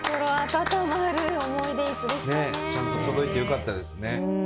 ちゃんと届いてよかったですね。